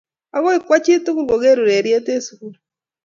Agoi kowo chitugul ko geer ureriet eng' sukul